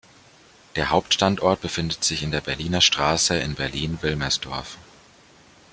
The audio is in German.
Der Hauptstandort befindet sich in der Berliner Straße in Berlin-Wilmersdorf.